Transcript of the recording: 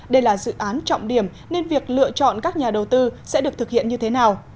đây là dự án trọng điểm nên việc lựa chọn các nhà đầu tư sẽ được thực hiện như thế nào